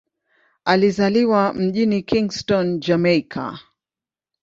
Alizaliwa mjini Kingston, Jamaika.